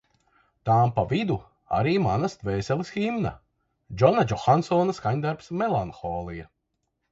Tām pa vidu arī manas dvēseles himna – Džona Džohansona skaņdarbs Melanholija.